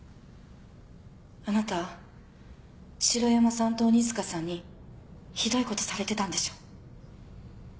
あなた城山さんと鬼塚さんにひどいことされてたんでしょう。